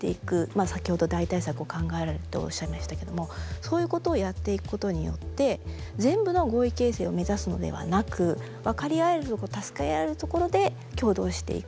先ほど代替策を考えられるっておっしゃいましたけどもそういうことをやっていくことによって全部の合意形成を目指すのではなく分かり合えるとこ助け合えるところで共同していく。